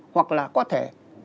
hoặc là có thể